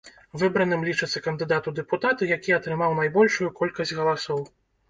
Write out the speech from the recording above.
Выбраным лічыцца кандыдат у дэпутаты, які атрымаў найбольшую колькасць галасоў.